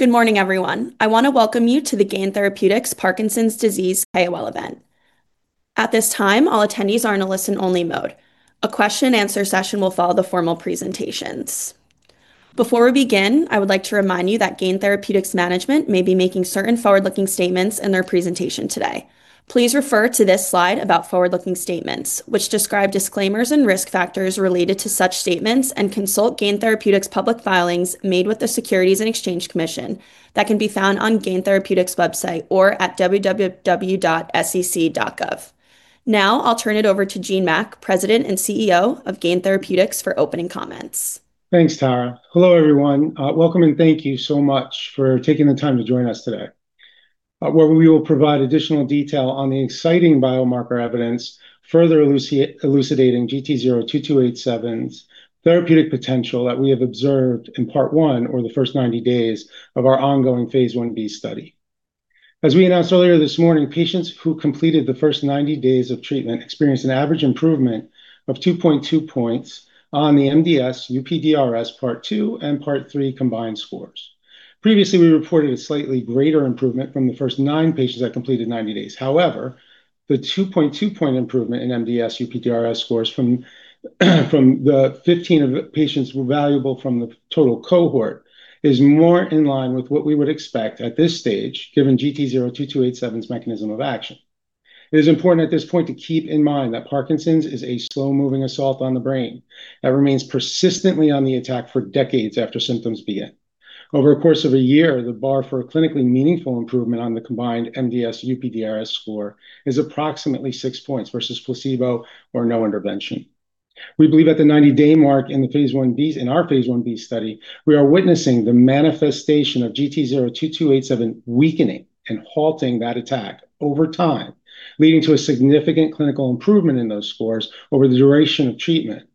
Good morning, everyone. I want to welcome you to the Gain Therapeutics Parkinson's Disease IOL event. At this time, all attendees are in a listen-only mode. A question-and-answer session will follow the formal presentations. Before we begin, I would like to remind you that Gain Therapeutics management may be making certain forward-looking statements in their presentation today. Please refer to this slide about forward-looking statements, which describe disclaimers and risk factors related to such statements, and consult Gain Therapeutics' public filings made with the Securities and Exchange Commission that can be found on Gain Therapeutics' website or at www.sec.gov. Now, I'll turn it over to Gene Mack, President and CEO of Gain Therapeutics, for opening comments. Thanks, Tara. Hello, everyone. Welcome, and thank you so much for taking the time to join us today, where we will provide additional detail on the exciting biomarker evidence further elucidating GT-02287's therapeutic potential that we have observed in part 1, or the first 90 days, of our ongoing phase 1b study. As we announced earlier this morning, patients who completed the first 90 days of treatment experienced an average improvement of 2.2 points on the MDS-UPDRS Part 2 and Part 3 combined scores. Previously, we reported a slightly greater improvement from the first nine patients that completed 90 days. However, the 2.2-point improvement in MDS-UPDRS scores from the 15 patients available from the total cohort is more in line with what we would expect at this stage, given GT-02287's mechanism of action. It is important at this point to keep in mind that Parkinson's is a slow-moving assault on the brain that remains persistently on the attack for decades after symptoms begin. Over a course of a year, the bar for a clinically meaningful improvement on the combined MDS-UPDRS score is approximately six points versus placebo or no intervention. We believe at the 90-day mark in our phase 1b study, we are witnessing the manifestation of GT-02287 weakening and halting that attack over time, leading to a significant clinical improvement in those scores over the duration of treatment.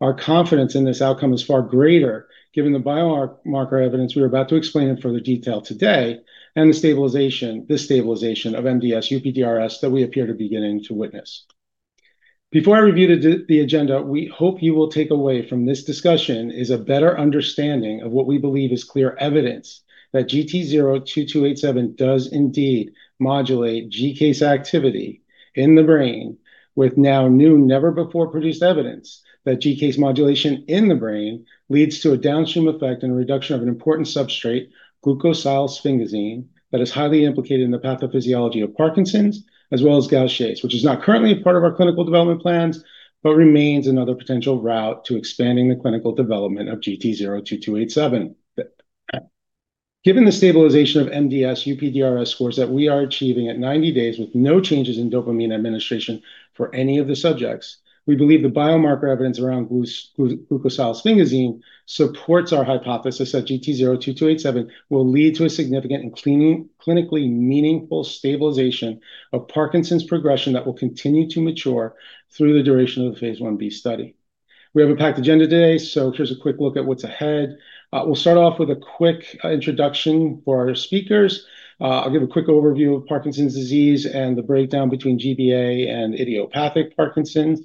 Our confidence in this outcome is far greater, given the biomarker evidence we are about to explain in further detail today and this stabilization of MDS-UPDRS that we appear to be beginning to witness. Before I review the agenda, we hope you will take away from this discussion a better understanding of what we believe is clear evidence that GT-02287 does indeed modulate GCase activity in the brain, with now new, never-before-produced evidence that GCase modulation in the brain leads to a downstream effect and a reduction of an important substrate, glucosylsphingosine, that is highly implicated in the pathophysiology of Parkinson's, as well as Gaucher's, which is not currently a part of our clinical development plans, but remains another potential route to expanding the clinical development of GT-02287. Given the stabilization of MDS-UPDRS scores that we are achieving at 90 days with no changes in dopamine administration for any of the subjects, we believe the biomarker evidence around glucosylsphingosine supports our hypothesis that GT-02287 will lead to a significant and clinically meaningful stabilization of Parkinson's progression that will continue to mature through the duration of the phase 1b study. We have a packed agenda today, so here's a quick look at what's ahead. We'll start off with a quick introduction for our speakers. I'll give a quick overview of Parkinson's disease and the breakdown between GBA and idiopathic Parkinson's.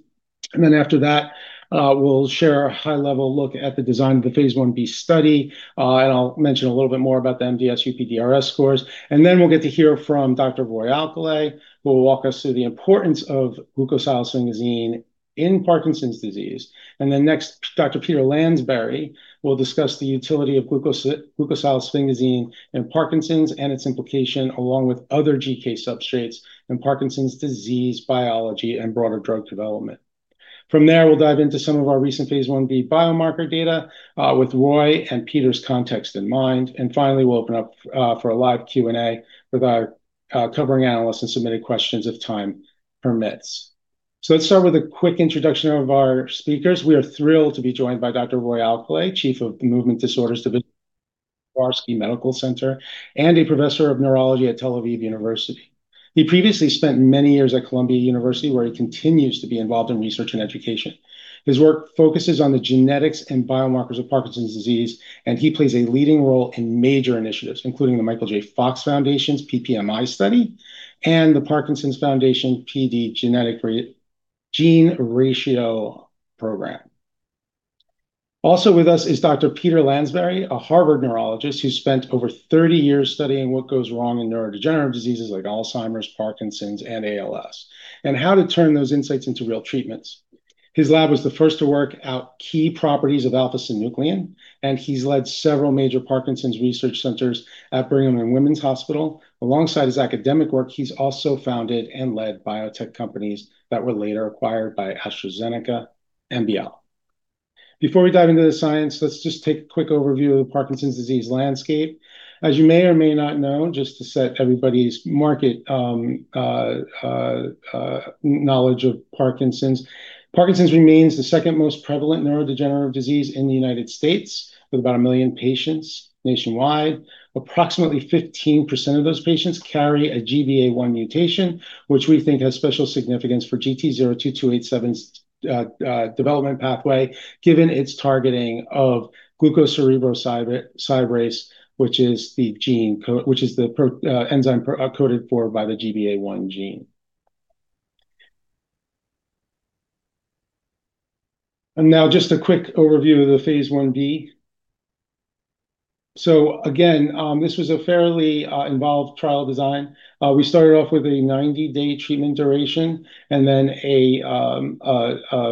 And then after that, we'll share a high-level look at the design of the phase 1b study, and I'll mention a little bit more about the MDS-UPDRS scores. And then we'll get to hear from Dr. Roy Alcalay, who will walk us through the importance of glucosylsphingosine in Parkinson's disease. And then next, Dr. Peter Lansbury will discuss the utility of glucosylsphingosine in Parkinson's and its implication, along with other GCase substrates in Parkinson's disease biology and broader drug development. From there, we'll dive into some of our recent phase 1b biomarker data with Roy and Peter's context in mind. And finally, we'll open up for a live Q&A with our covering analysts and submit questions if time permits. So let's start with a quick introduction of our speakers. We are thrilled to be joined by Dr. Roy Alcalay, Chief of the Movement Disorders Division at Tel Aviv Sourasky Medical Center and a Professor of Neurology at Tel Aviv University. He previously spent many years at Columbia University, where he continues to be involved in research and education. His work focuses on the genetics and biomarkers of Parkinson's disease, and he plays a leading role in major initiatives, including the Michael J. Fox Foundation's PPMI study and the Parkinson's Foundation PD GENEration Program. Also with us is Dr. Peter Lansbury, a Harvard neurologist who spent over 30 years studying what goes wrong in neurodegenerative diseases like Alzheimer's, Parkinson's, and ALS, and how to turn those insights into real treatments. His lab was the first to work out key properties of alpha-synuclein, and he's led several major Parkinson's research centers at Brigham and Women's Hospital. Alongside his academic work, he's also founded and led biotech companies that were later acquired by AstraZeneca and Bial. Before we dive into the science, let's just take a quick overview of the Parkinson's disease landscape. As you may or may not know, just to set everybody's market knowledge of Parkinson's, Parkinson's remains the second most prevalent neurodegenerative disease in the United States, with about a million patients nationwide. Approximately 15% of those patients carry a GBA1 mutation, which we think has special significance for GT-02287's development pathway, given its targeting of glucocerebrosidase, which is the enzyme coded for by the GBA1 gene. And now just a quick overview of the phase 1b. So again, this was a fairly involved trial design. We started off with a 90-day treatment duration and then a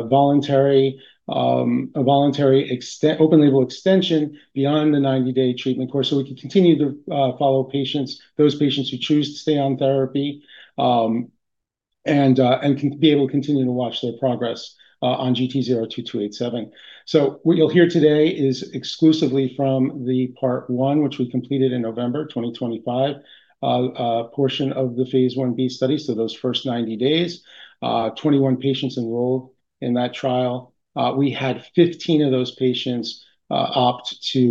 voluntary open-label extension beyond the 90-day treatment course so we could continue to follow patients, those patients who choose to stay on therapy and be able to continue to watch their progress on GT-02287. What you'll hear today is exclusively from the part 1, which we completed in November 2025, a portion of the phase 1b study, so those first 90 days, 21 patients enrolled in that trial. We had 15 of those patients opt to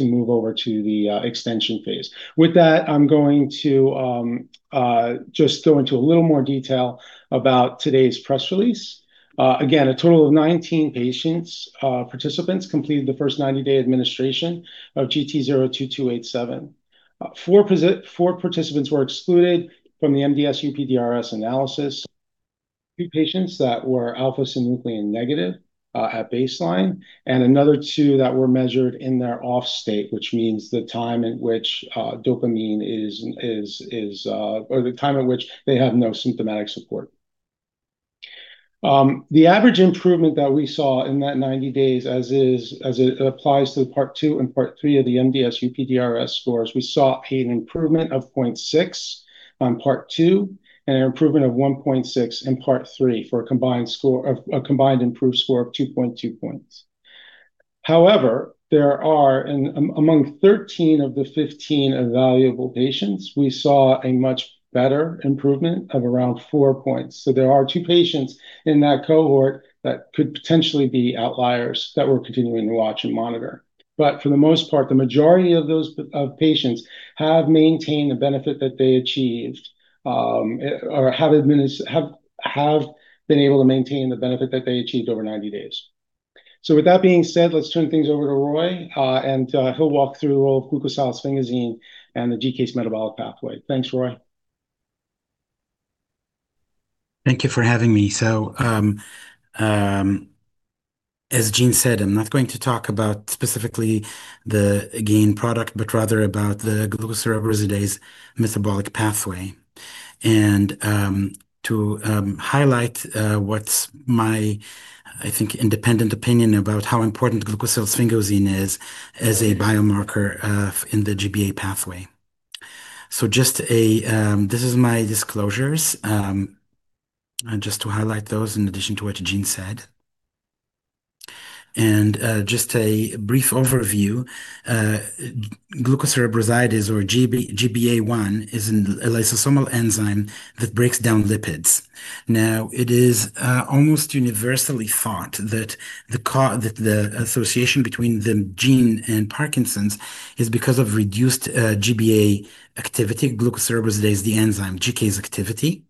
move over to the extension phase. With that, I'm going to just go into a little more detail about today's press release. Again, a total of 19 patient participants completed the first 90-day administration of GT-02287. Four participants were excluded from the MDS-UPDRS analysis: two patients that were alpha-synuclein negative at baseline and another two that were measured in their off-state, which means the time in which dopamine is, or the time at which they have no symptomatic support. The average improvement that we saw in that 90 days, as it applies to Part 2 and Part 3 of the MDS-UPDRS scores, we saw an improvement of 0.6 on Part 2 and an improvement of 1.6 in Part 3 for a combined improved score of 2.2 points. However, there are, among 13 of the 15 evaluable patients, we saw a much better improvement of around four points. So there are two patients in that cohort that could potentially be outliers that we're continuing to watch and monitor. But for the most part, the majority of those patients have maintained the benefit that they achieved or have been able to maintain the benefit that they achieved over 90 days. So with that being said, let's turn things over to Roy, and he'll walk through the role of glucosylsphingosine and the GCase metabolic pathway. Thanks, Roy. Thank you for having me. As Gene said, I'm not going to talk about specifically the Gain product, but rather about the glucocerebrosidase metabolic pathway. To highlight what's my, I think, independent opinion about how important glucosylsphingosine is as a biomarker in the GBA pathway. This is my disclosures, just to highlight those in addition to what Gene said. Just a brief overview, glucocerebrosidase or GBA1 is a lysosomal enzyme that breaks down lipids. Now, it is almost universally thought that the association between the gene and Parkinson's is because of reduced GBA activity. Glucocerebrosidase is the enzyme, GCase activity.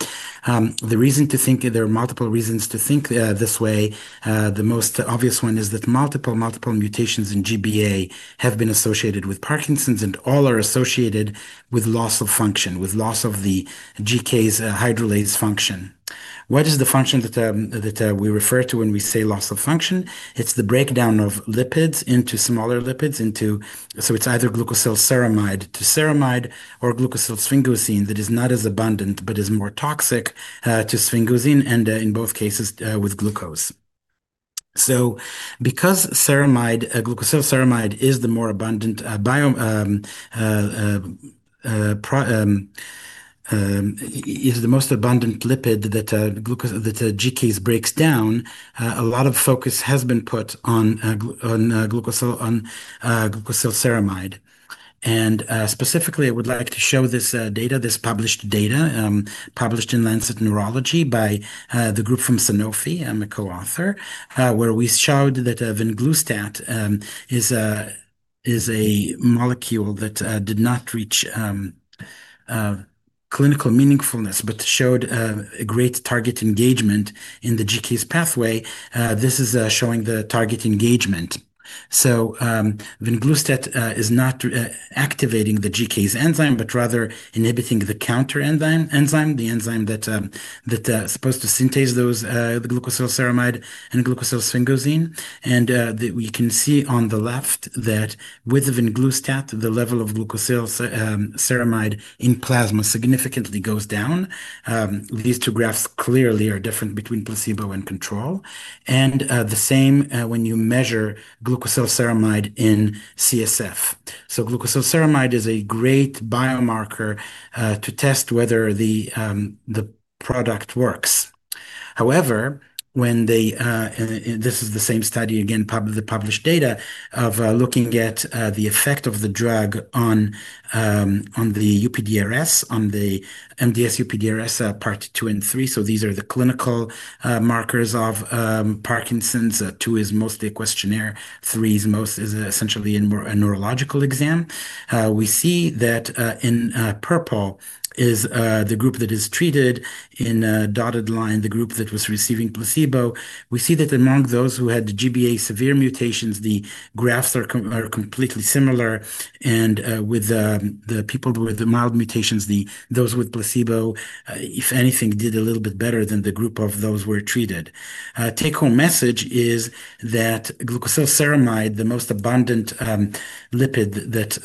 The reason to think, there are multiple reasons to think this way. The most obvious one is that multiple, multiple mutations in GBA have been associated with Parkinson's, and all are associated with loss of function, with loss of the GCase hydrolase function. What is the function that we refer to when we say loss of function? It's the breakdown of lipids into smaller lipids, into so it's either glucosylceramide to ceramide or glucosylsphingosine that is not as abundant but is more toxic to sphingosine, and in both cases with glucose. So because ceramide, glucosylceramide is the more abundant is the most abundant lipid that GCase breaks down, a lot of focus has been put on glucosylceramide. Specifically, I would like to show this data, this published data in Lancet Neurology by the group from Sanofi. I'm a co-author, where we showed that venglustat is a molecule that did not reach clinical meaningfulness but showed a great target engagement in the GCase pathway. This is showing the target engagement. So venglustat is not activating the GCase enzyme, but rather inhibiting the counter enzyme, the enzyme that is supposed to synthesize those glucosylceramide and glucosylsphingosine. And we can see on the left that with venglustat, the level of glucosylceramide in plasma significantly goes down. These two graphs clearly are different between placebo and control. And the same when you measure glucosylceramide in CSF. So glucosylceramide is a great biomarker to test whether the product works. However, when they, this is the same study again, the published data of looking at the effect of the drug on the UPDRS, on the MDS UPDRS Part 2 and 3. So these are the clinical markers of Parkinson's. Two is mostly a questionnaire. Three is most essentially a neurological exam. We see that in purple is the group that is treated in a dotted line, the group that was receiving placebo. We see that among those who had GBA severe mutations, the graphs are completely similar. And with the people with the mild mutations, those with placebo, if anything, did a little bit better than the group of those who were treated. Take-home message is that glucosylceramide, the most abundant lipid that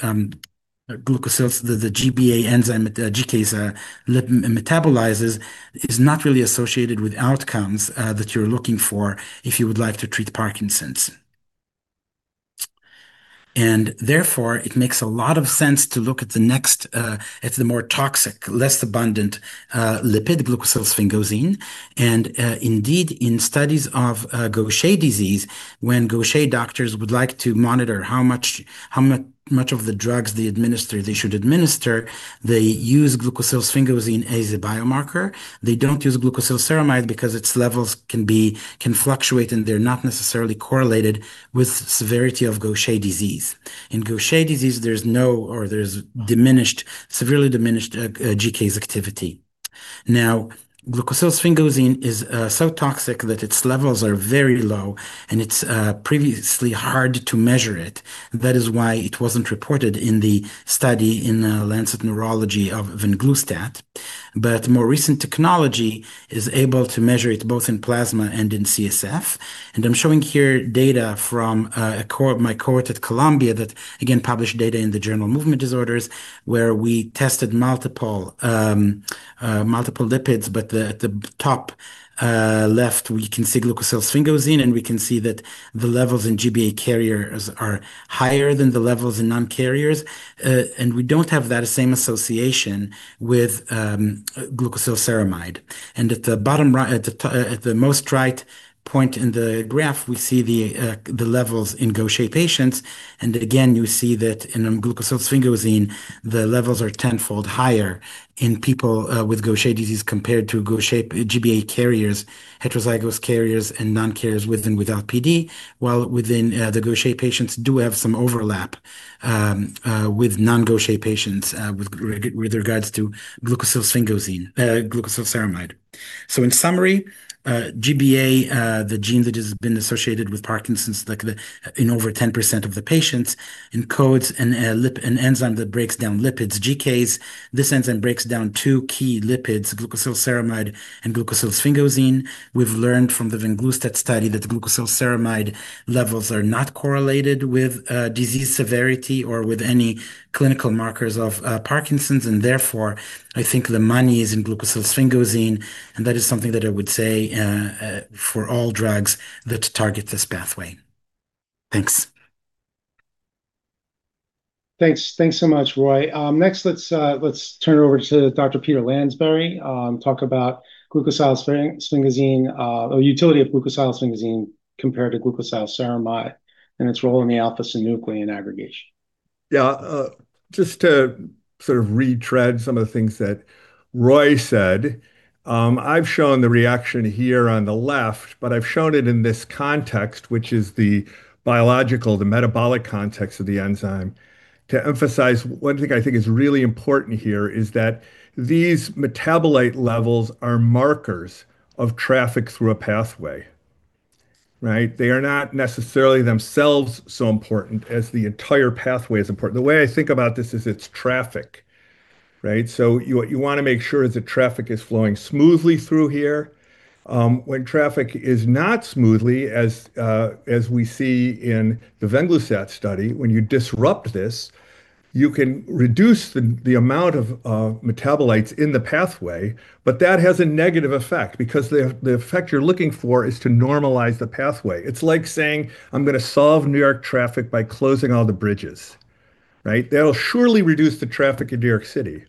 the GBA enzyme, GCase metabolizes, is not really associated with outcomes that you're looking for if you would like to treat Parkinson's. And therefore, it makes a lot of sense to look at the next, at the more toxic, less abundant lipid, glucosylsphingosine. Indeed, in studies of Gaucher disease, when Gaucher doctors would like to monitor how much of the drugs they administer, they should administer, they use glucosylsphingosine as a biomarker. They don't use glucosylceramide because its levels can fluctuate, and they're not necessarily correlated with severity of Gaucher disease. In Gaucher disease, there's no, or there's severely diminished GCase activity. Now, glucosylsphingosine is so toxic that its levels are very low, and it's previously hard to measure it. That is why it wasn't reported in the study in Lancet Neurology of venglustat. But more recent technology is able to measure it both in plasma and in CSF. I'm showing here data from my cohort at Columbia that, again, published data in the Journal of Movement Disorders, where we tested multiple lipids. But at the top left, we can see glucosylsphingosine, and we can see that the levels in GBA carriers are higher than the levels in non-carriers. And we don't have that same association with glucosylceramide. And at the bottom right, at the most right point in the graph, we see the levels in Gaucher patients. And again, you see that in glucosylsphingosine, the levels are tenfold higher in people with Gaucher disease compared to GBA carriers, heterozygous carriers, and non-carriers with and without PD, while within the Gaucher patients do have some overlap with non-Gaucher patients with regards to glucosylsphingosine, glucosylceramide. So in summary, GBA, the gene that has been associated with Parkinson's in over 10% of the patients, encodes an enzyme that breaks down lipids, GCase. This enzyme breaks down two key lipids, glucosylceramide and glucosylsphingosine. We've learned from the Venglustat study that the glucosylceramide levels are not correlated with disease severity or with any clinical markers of Parkinson's. And therefore, I think the money is in glucosylsphingosine. And that is something that I would say for all drugs that target this pathway. Thanks. Thanks. Thanks so much, Roy. Next, let's turn it over to Dr. Peter Lansbury to talk about glucosylsphingosine, the utility of glucosylsphingosine compared to glucosylceramide and its role in the alpha-synuclein aggregation. Yeah, just to sort of retread some of the things that Roy said, I've shown the reaction here on the left, but I've shown it in this context, which is the biological, the metabolic context of the enzyme. To emphasize, one thing I think is really important here is that these metabolite levels are markers of traffic through a pathway, right? They are not necessarily themselves so important as the entire pathway is important. The way I think about this is it's traffic, right? So what you want to make sure is that traffic is flowing smoothly through here. When traffic is not smoothly, as we see in the Venglustat study, when you disrupt this, you can reduce the amount of metabolites in the pathway, but that has a negative effect because the effect you're looking for is to normalize the pathway. It's like saying, "I'm going to solve New York traffic by closing all the bridges," right? That'll surely reduce the traffic in New York City,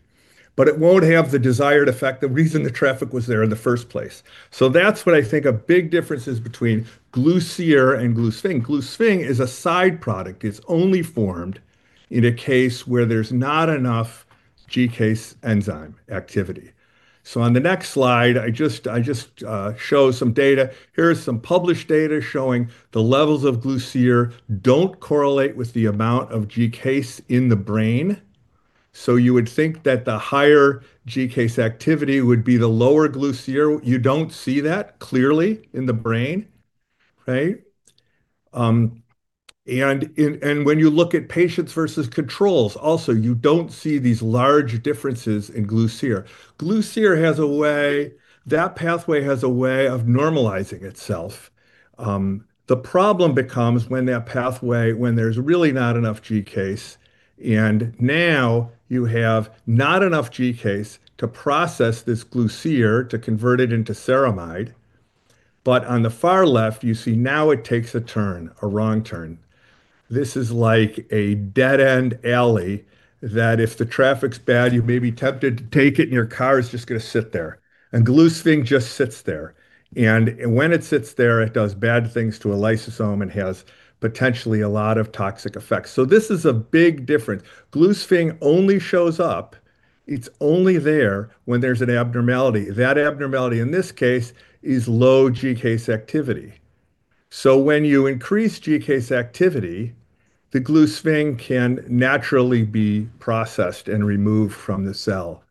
but it won't have the desired effect, the reason the traffic was there in the first place. So that's what I think a big difference is between glucosylceramide and glucosylsphingosine. Glucosylsphingosine is a side product. It's only formed in a case where there's not enough GCase enzyme activity. So on the next slide, I just show some data. Here's some published data showing the levels of glucosylceramide don't correlate with the amount of GCase in the brain. So you would think that the higher GCase activity would be the lower glucosylceramide. You don't see that clearly in the brain, right? And when you look at patients versus controls, also, you don't see these large differences in glucosylceramide. Glucer has a way, that pathway has a way of normalizing itself. The problem becomes when that pathway, when there's really not enough GCase, and now you have not enough GCase to process this glucer to convert it into ceramide, but on the far left, you see now it takes a turn, a wrong turn. This is like a dead-end alley that if the traffic's bad, you may be tempted to take it, and your car is just going to sit there, and glucer just sits there, and when it sits there, it does bad things to a lysosome and has potentially a lot of toxic effects, so this is a big difference. Glucer only shows up. It's only there when there's an abnormality. That abnormality in this case is low GCase activity. So when you increase GCase activity, the glucosylceramide can naturally be processed and removed from the cell,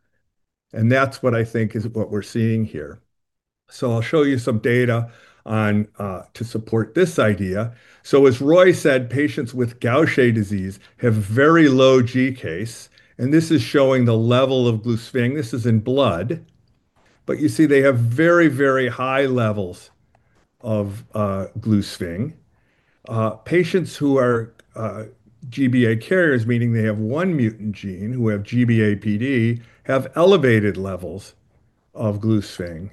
and that's what I think is what we're seeing here, so I'll show you some data to support this idea. So as Roy said, patients with Gaucher disease have very low GCase, and this is showing the level of glucosylceramide. This is in blood, but you see they have very, very high levels of glucosylceramide. Patients who are GBA carriers, meaning they have one mutant gene, who have GBA PD, have elevated levels of glucosylceramide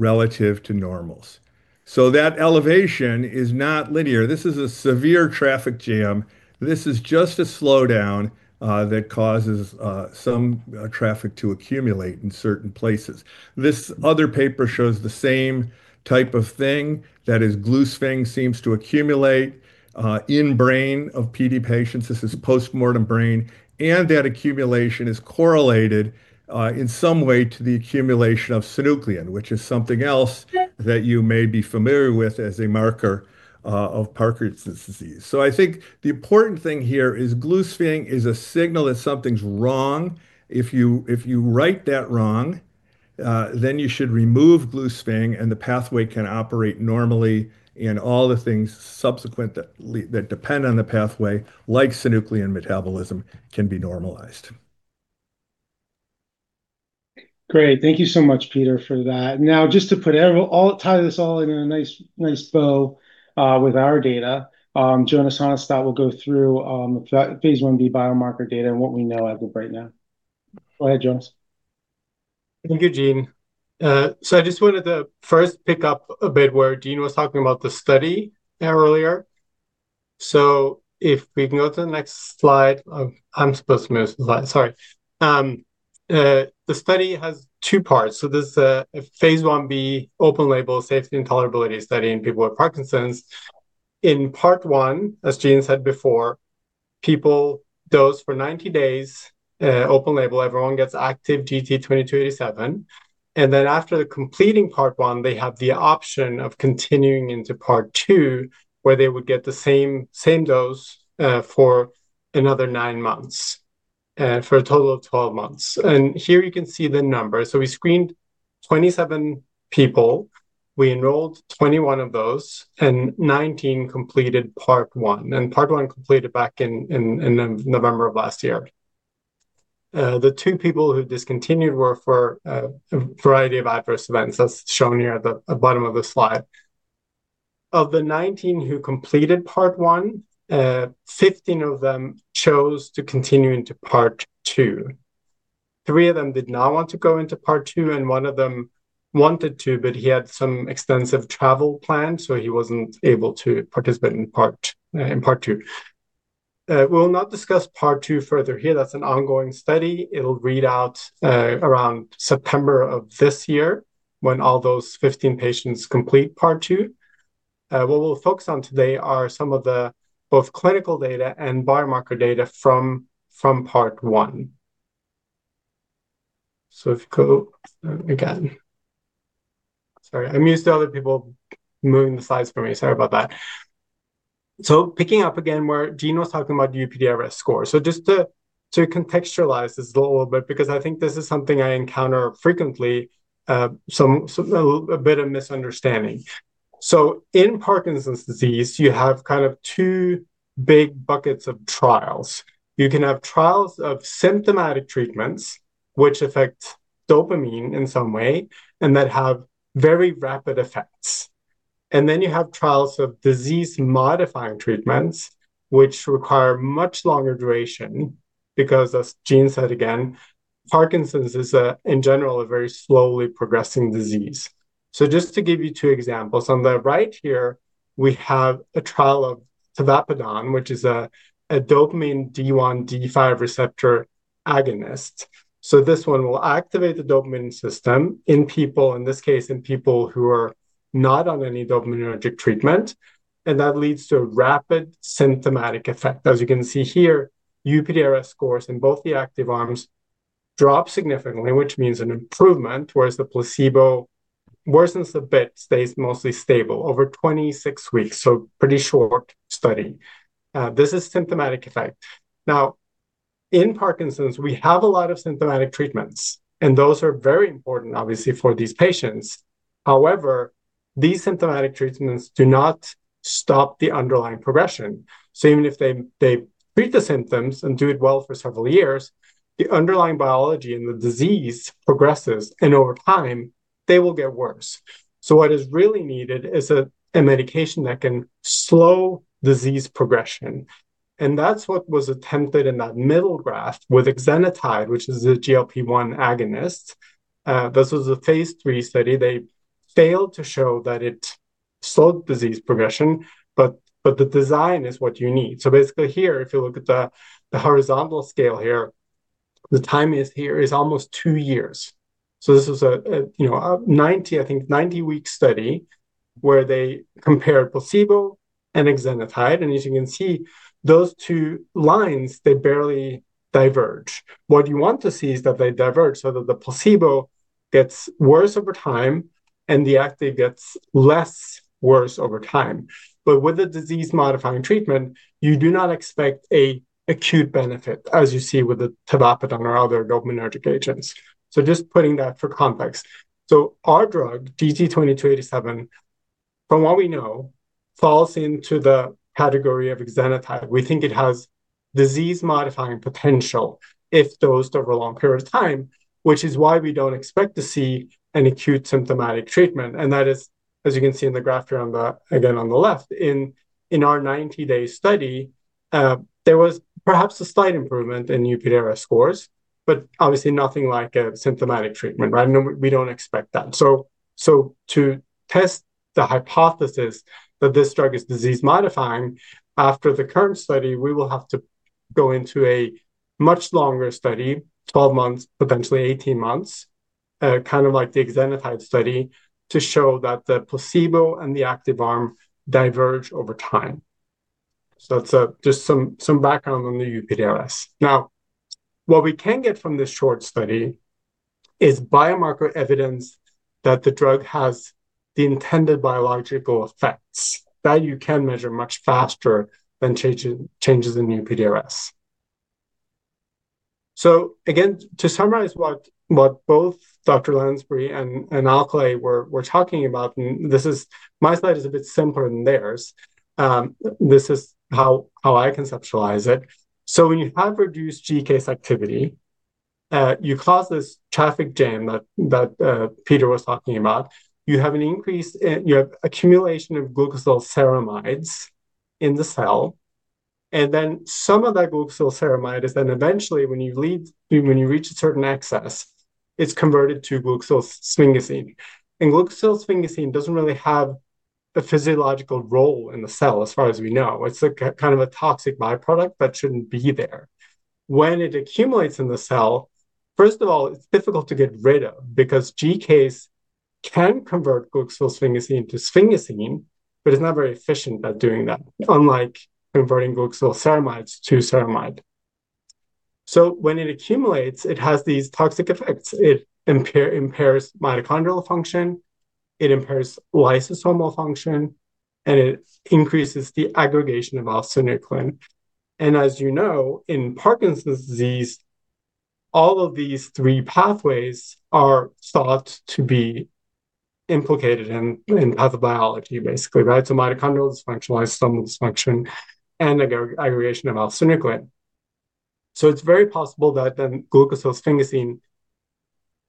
relative to normals, so that elevation is not linear. This is a severe traffic jam. This is just a slowdown that causes some traffic to accumulate in certain places. This other paper shows the same type of thing, that is, glucosylceramide seems to accumulate in brain of PD patients. This is postmortem brain, and that accumulation is correlated in some way to the accumulation of synuclein, which is something else that you may be familiar with as a marker of Parkinson's disease. So I think the important thing here is glucosylceramide is a signal that something's wrong. If you right that wrong, then you should remove glucosylceramide, and the pathway can operate normally, and all the things subsequent that depend on the pathway, like synuclein metabolism, can be normalized. Great. Thank you so much, Peter, for that. Now, just to put everyone, I'll tie this all in a nice bow with our data. Jonas Hannestad will go through phase 1b biomarker data and what we know as of right now. Go ahead, Jonas. Thank you, Gene. I just wanted to first pick up a bit where Gene was talking about the study earlier. If we can go to the next slide, I'm supposed to move the slide. Sorry. The study has two parts. This is a phase 1b open-label safety and tolerability study in people with Parkinson's. In part one, as Gene said before, people dose for 90 days open-label. Everyone gets active GT-02287. Then after completing part one, they have the option of continuing into part two, where they would get the same dose for another nine months and for a total of 12 months. Here you can see the number. We screened 27 people. We enrolled 21 of those, and 19 completed part one. Part 1 completed back in November of last year. The two people who discontinued were for a variety of adverse events as shown here at the bottom of the slide. Of the 19 who completed part one, 15 of them chose to continue into part two. Three of them did not want to go into part two, and one of them wanted to, but he had some extensive travel planned, so he wasn't able to participate in part two. We will not discuss part two further here. That's an ongoing study. It'll read out around September of this year when all those 15 patients complete part two. What we'll focus on today are some of the both clinical data and biomarker data from part one. So if you go again, sorry, I'm used to other people moving the slides for me. Sorry about that. So picking up again where Gene was talking about the UPDRS score. So just to contextualize this a little bit, because I think this is something I encounter frequently, a bit of misunderstanding. So in Parkinson's disease, you have kind of two big buckets of trials. You can have trials of symptomatic treatments, which affect dopamine in some way, and that have very rapid effects. And then you have trials of disease-modifying treatments, which require much longer duration because, as Gene said again, Parkinson's is, in general, a very slowly progressing disease. So just to give you two examples, on the right here, we have a trial of Tavapadon, which is a dopamine D1/D5 receptor agonist. So this one will activate the dopamine system in people, in this case, in people who are not on any dopaminergic treatment. And that leads to a rapid symptomatic effect. As you can see here, UPDRS scores in both the active arms drop significantly, which means an improvement, whereas the placebo worsens a bit, stays mostly stable over 26 weeks, so pretty short study. This is symptomatic effect. Now, in Parkinson's, we have a lot of symptomatic treatments, and those are very important, obviously, for these patients. However, these symptomatic treatments do not stop the underlying progression, so even if they treat the symptoms and do it well for several years, the underlying biology and the disease progresses, and over time, they will get worse, so what is really needed is a medication that can slow disease progression, and that's what was attempted in that middle graph with Exenatide, which is the GLP-1 agonist. This was a phase three study. They failed to show that it slowed disease progression, but the design is what you need. So basically here, if you look at the horizontal scale here, the time here is almost two years. So this was a, I think, 90-week study where they compared placebo and Exenatide. And as you can see, those two lines, they barely diverge. What you want to see is that they diverge so that the placebo gets worse over time and the active gets less worse over time. But with a disease-modifying treatment, you do not expect an acute benefit, as you see with the Tavapadon or other dopaminergic agents. So just putting that for context. So our drug, GT-02287, from what we know, falls into the category of Exenatide. We think it has disease-modifying potential if dosed over a long period of time, which is why we don't expect to see an acute symptomatic treatment. That is, as you can see in the graph here, again, on the left, in our 90-day study, there was perhaps a slight improvement in UPDRS scores, but obviously nothing like a symptomatic treatment, right? We don't expect that. To test the hypothesis that this drug is disease-modifying, after the current study, we will have to go into a much longer study, 12 months, potentially 18 months, kind of like the Exenatide study, to show that the placebo and the active arm diverge over time. That's just some background on the UPDRS. Now, what we can get from this short study is biomarker evidence that the drug has the intended biological effects. That you can measure much faster than changes in UPDRS. Again, to summarize what both Dr. Lansbury and Alcalay were talking about, this, my slide, is a bit simpler than theirs. This is how I conceptualize it, so when you have reduced GCase activity, you cause this traffic jam that Peter was talking about. You have an increase in, you have accumulation of glucosylceramides in the cell, and then some of that glucosylceramide is then eventually, when you reach a certain excess, it's converted to glucosylsphingosine, and glucosylsphingosine doesn't really have a physiological role in the cell as far as we know. It's kind of a toxic byproduct that shouldn't be there. When it accumulates in the cell, first of all, it's difficult to get rid of because GCase can convert glucosylsphingosine to sphingosine, but it's not very efficient at doing that, unlike converting glucosylceramides to ceramide, so when it accumulates, it has these toxic effects. It impairs mitochondrial function. It impairs lysosomal function, and it increases the aggregation of alpha-synuclein. And as you know, in Parkinson's disease, all of these three pathways are thought to be implicated in pathobiology, basically, right? So mitochondrial dysfunction, lysosomal dysfunction, and aggregation of alpha-synuclein. So it's very possible that then glucosylsphingosine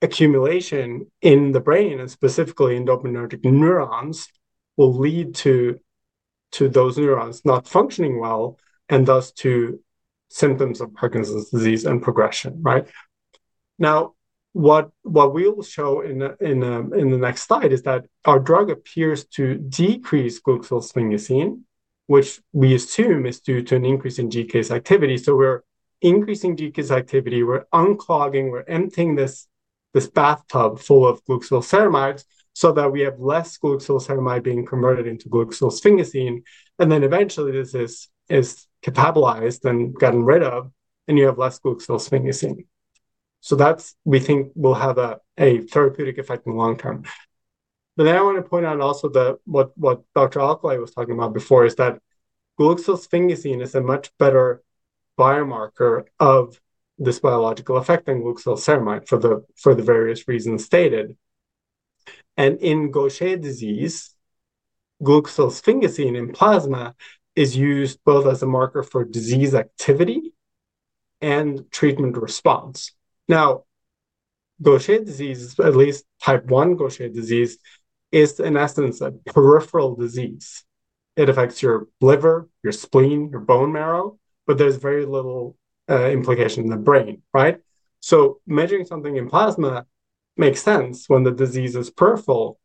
accumulation in the brain, and specifically in dopaminergic neurons, will lead to those neurons not functioning well and thus to symptoms of Parkinson's disease and progression, right? Now, what we will show in the next slide is that our drug appears to decrease glucosylsphingosine, which we assume is due to an increase in GCase activity. So we're increasing GCase activity. We're unclogging. We're emptying this bathtub full of glucosylceramide so that we have less glucosylceramide being converted into glucosylsphingosine. And then eventually, this is catabolized and gotten rid of, and you have less glucosylsphingosine. So that's, we think, will have a therapeutic effect in the long term. But then I want to point out also what Dr. Alcalay was talking about before is that glucosylsphingosine is a much better biomarker of this biological effect than glucosylceramide for the various reasons stated. And in Gaucher disease, glucosylsphingosine in plasma is used both as a marker for disease activity and treatment response. Now, Gaucher disease, at least type one Gaucher disease, is in essence a peripheral disease. It affects your liver, your spleen, your bone marrow, but there's very little implication in the brain, right? So measuring something in plasma makes sense when the disease is peripheral.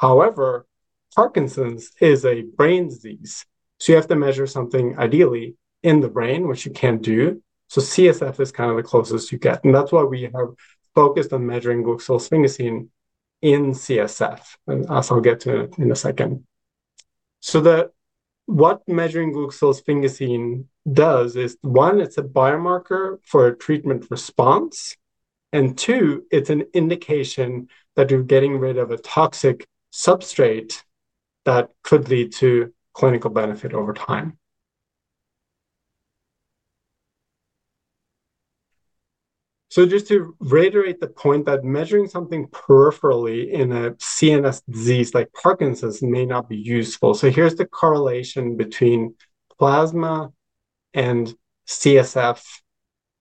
However, Parkinson's is a brain disease. So you have to measure something ideally in the brain, which you can't do. So CSF is kind of the closest you get. And that's why we have focused on measuring glucosylsphingosine in CSF, and I'll get to it in a second. So what measuring glucosylsphingosine does is, one, it's a biomarker for a treatment response, and two, it's an indication that you're getting rid of a toxic substrate that could lead to clinical benefit over time. So just to reiterate the point that measuring something peripherally in a CNS disease like Parkinson's may not be useful. So here's the correlation between plasma and CSF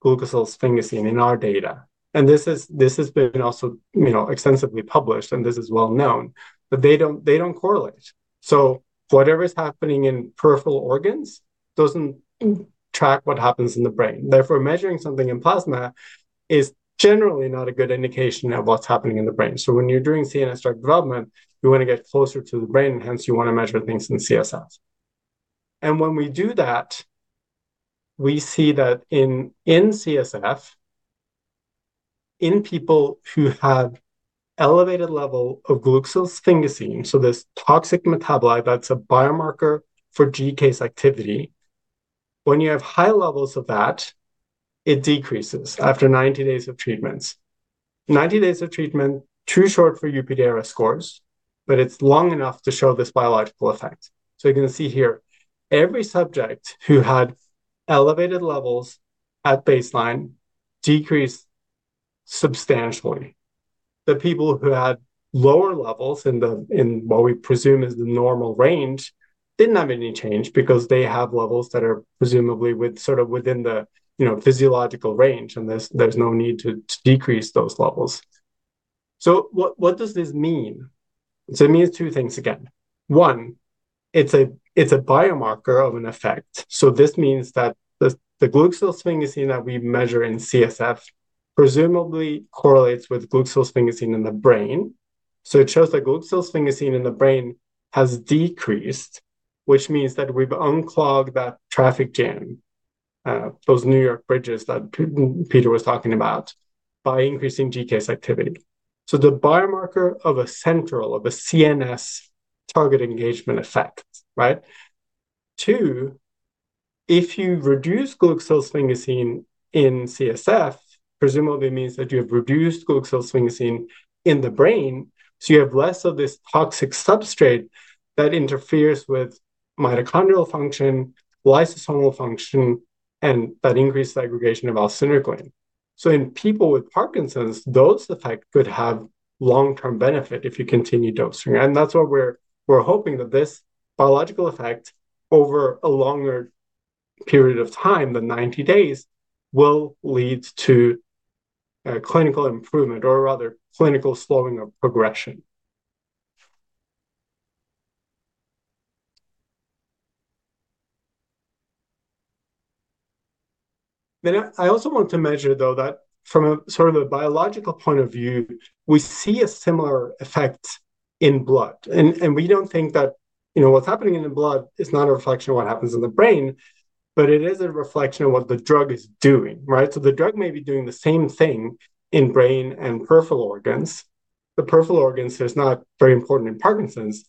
glucosylsphingosine in our data. And this has been also extensively published, and this is well known, but they don't correlate. So whatever's happening in peripheral organs doesn't track what happens in the brain. Therefore, measuring something in plasma is generally not a good indication of what's happening in the brain. So when you're doing CNS drug development, you want to get closer to the brain, and hence you want to measure things in CSF. And when we do that, we see that in CSF, in people who have an elevated level of glucosylsphingosine, so this toxic metabolite that's a biomarker for GCase activity, when you have high levels of that, it decreases after 90 days of treatments. 90 days of treatment, too short for UPDRS scores, but it's long enough to show this biological effect. So you can see here, every subject who had elevated levels at baseline decreased substantially. The people who had lower levels in what we presume is the normal range didn't have any change because they have levels that are presumably sort of within the physiological range, and there's no need to decrease those levels. So what does this mean? So it means two things again. One, it's a biomarker of an effect. So this means that the glucosylsphingosine that we measure in CSF presumably correlates with glucosylsphingosine in the brain. So it shows that glucosylsphingosine in the brain has decreased, which means that we've unclogged that traffic jam, those New York bridges that Peter was talking about, by increasing GCase activity. So the biomarker of a central, of a CNS target engagement effect, right? Two, if you reduce glucosylsphingosine in CSF, presumably it means that you have reduced glucosylsphingosine in the brain. So you have less of this toxic substrate that interferes with mitochondrial function, lysosomal function, and that increased aggregation of alpha-synuclein. So in people with Parkinson's, those effects could have long-term benefit if you continue dosing. And that's what we're hoping that this biological effect over a longer period of time, the 90 days, will lead to clinical improvement or rather clinical slowing of progression. Then I also want to measure, though, that from a sort of a biological point of view, we see a similar effect in blood. And we don't think that what's happening in the blood is not a reflection of what happens in the brain, but it is a reflection of what the drug is doing, right? So the drug may be doing the same thing in brain and peripheral organs. The peripheral organs, it's not very important in Parkinson's,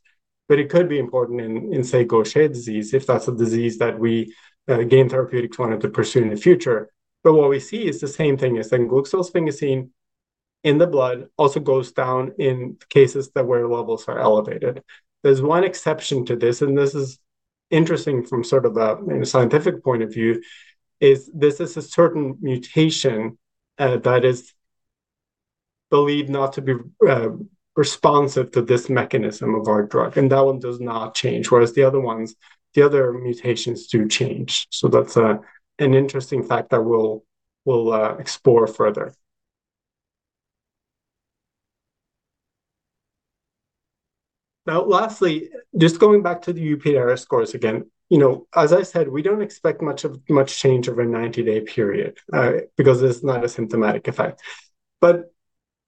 but it could be important in, say, Gaucher disease if that's a disease that we Gain Therapeutics wanted to pursue in the future. But what we see is the same thing is that glucosylsphingosine in the blood also goes down in cases where levels are elevated. There's one exception to this, and this is interesting from sort of a scientific point of view, is this is a certain mutation that is believed not to be responsive to this mechanism of our drug. And that one does not change, whereas the other mutations do change. So that's an interesting fact that we'll explore further. Now, lastly, just going back to the UPDRS scores again, as I said, we don't expect much change over a 90-day period because it's not a symptomatic effect. But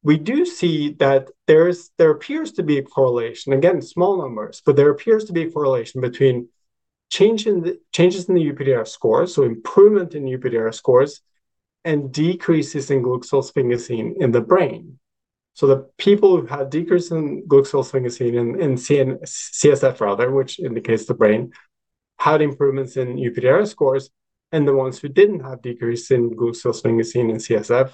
we do see that there appears to be a correlation, again, small numbers, but there appears to be a correlation between changes in the UPDRS scores, so improvement in UPDRS scores, and decreases in glucosylsphingosine in the brain. So the people who had decrease in glucosylsphingosine in CSF, rather, which indicates the brain, had improvements in UPDRS scores, and the ones who didn't have decrease in glucosylsphingosine in CSF